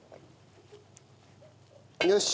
よし！